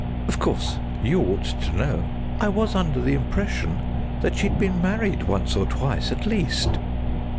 "Of course, you ought to know. I was under the impression that she'd been married once or twice at least."